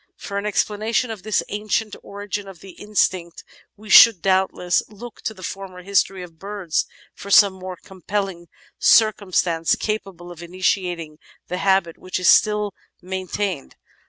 For an explanation of this ancient origin of the instinct we should doubt less look to the former history of birds for some more compelling 430 The Outline of Science circumstance capable of initiating the habit which is still main tained.